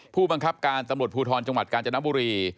ผู้บังคับการตำรวจภูทรจกจบุรี